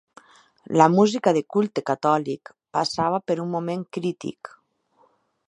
La música de culte catòlic passava per un moment crític.